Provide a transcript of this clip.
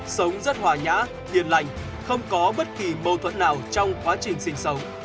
sống rất hòa nhã yên lành không có bất kỳ mâu thuẫn nào trong quá trình sinh sống